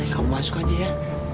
kamu masuk aja ya